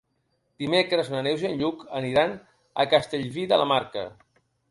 Dimecres na Neus i en Lluc aniran a Castellví de la Marca.